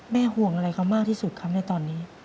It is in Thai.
ห่วงอะไรเขามากที่สุดครับในตอนนี้